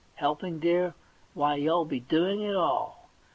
* Helping, dear ? Why, you'll be doing it all.